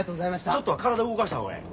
ちょっとは体動かした方がええ。